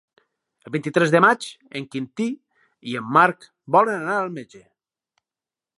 El vint-i-tres de maig en Quintí i en Marc volen anar al metge.